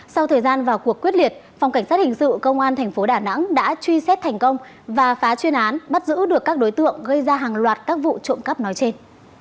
sau thời gian vào cuộc quyết liệt phòng cảnh sát hình sự công an tp đà nẵng đã truy xét thành công và phá chuyên án bắt giữ được các đối tượng gây ra hàng loạt các vụ trộm cắp nói trên